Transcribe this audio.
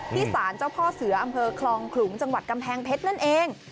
สารเจ้าพ่อเสืออำเภอคลองขลุงจังหวัดกำแพงเพชรนั่นเอง